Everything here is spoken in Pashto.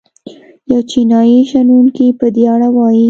یو چینايي شنونکی په دې اړه وايي.